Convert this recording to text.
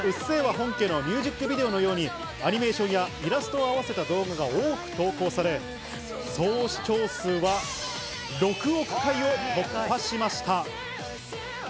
本家のミュージックビデオのように、アニメーションやイラストを合わせた動画が多く投稿され、総視聴数は６億回を突破しました。